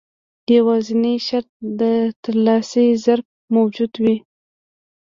يوازنی شرط د ترلاسي ظرف موجود وي.